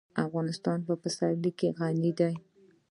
افغانستان په پسرلی غني دی.